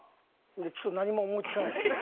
ちょっと何も思い付かないですね。